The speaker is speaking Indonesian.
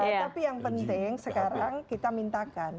tapi yang penting sekarang kita mintakan